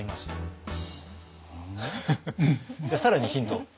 じゃあ更にヒント。